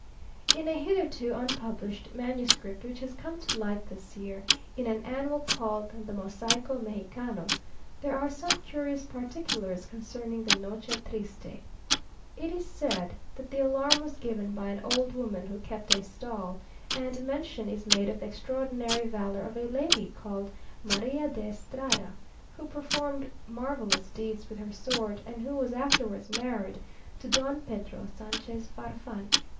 In a hitherto unpublished manuscript which has come to light this year, in an annual called the "Mosaico Mexicano," there are some curious particulars concerning the "noche triste." It is said that the alarm was given by an old woman who kept a stall; and mention is made of the extraordinary valour of a lady called María de Estrada, who performed marvellous deeds with her sword, and who was afterwards married to Don Pedro Sanchez Farfan.